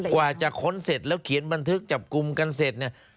กว่าจะค้นเสร็จแล้วเขียนบันทึกจับกลุ่มกันเสร็จเนี่ย